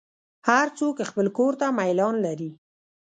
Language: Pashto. هر څوک خپل کور ته میلان لري.